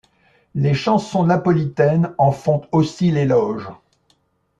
Les chansons napolitaines en font aussi l'éloge.